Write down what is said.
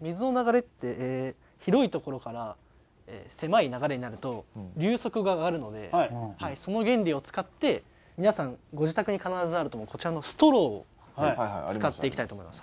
水の流れって広い所から狭い流れになると流速が上がるのでその原理を使って皆さんご自宅に必ずあると思うこちらのストローを使っていきたいと思います。